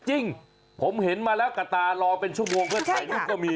จริงผมเห็นมาแล้วกับตารอเป็นชั่วโมงเพื่อถ่ายรูปก็มี